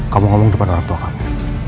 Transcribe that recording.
kamu ngomong kepada orang tua kamu